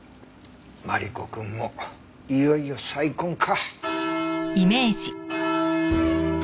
マリコくんもいよいよ再婚か。